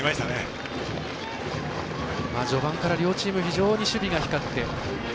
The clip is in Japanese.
序盤から両チーム非常に守備が光って。